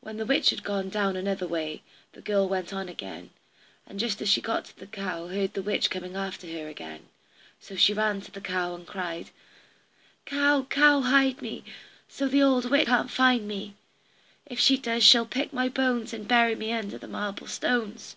When the witch had gone down another way, the girl went on again, and just as she got to the cow heard the witch coming after her again, so she ran to the cow and cried: "Cow, cow, hide me, So the old witch can't find me; If she does she'll pick my bones, And bury me under the marble stones."